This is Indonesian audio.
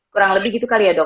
kurang lebih gitu kali ya dok